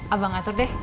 abang atur deh